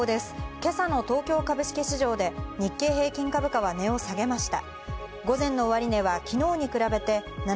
今朝の東京株式市場で日経平均株価は値を下げました。